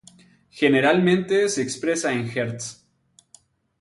Generalmente se expresa en Hz.